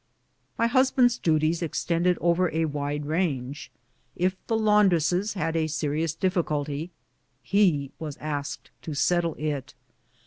My husband's duties extended over a wide range. If the laundresses had a serious difficulty, he was asked to settle it.